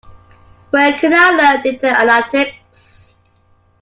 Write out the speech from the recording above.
Where can I learn data-analytics?